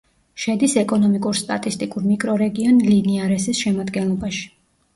შედის ეკონომიკურ-სტატისტიკურ მიკრორეგიონ ლინიარესის შემადგენლობაში.